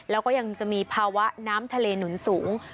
แล้วก็ยังจะมีภาวะน้ำทะเลหนุนสูง